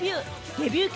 デビュー曲